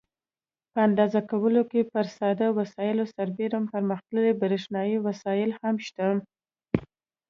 په اندازه کولو کې پر ساده وسایلو سربیره پرمختللي برېښنایي وسایل هم شته.